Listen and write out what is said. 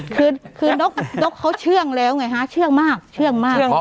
คือคือนกนกเขาเชื่องแล้วไงฮะเชื่องมากเชื่องมากเชื่องมาก